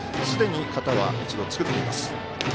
すでに肩は一度作っています。